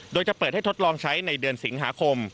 โดยจะเปิดให้ทดลองใช้ในเดือนสิงหาคม